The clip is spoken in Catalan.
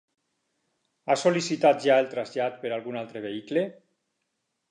Ha sol·licitat ja el trasllat per algun altre vehicle?